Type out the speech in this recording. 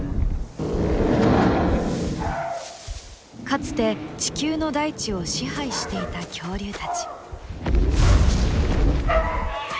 かつて地球の大地を支配していた恐竜たち。